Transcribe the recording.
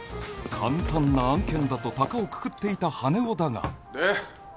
簡単な案件だとたかをくくっていた羽男だがで？